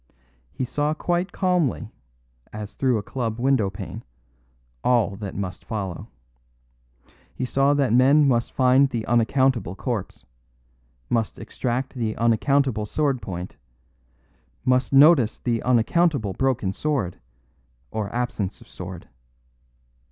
He saw quite calmly, as through a club windowpane, all that must follow. He saw that men must find the unaccountable corpse; must extract the unaccountable sword point; must notice the unaccountable broken sword or absence of sword.